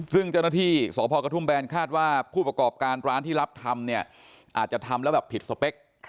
ซึ่งเจ้าหน้าที่สพกระทุ่มแบนคาดว่าผู้ประกอบการร้านที่รับทำเนี่ยอาจจะทำแล้วแบบผิดสเปค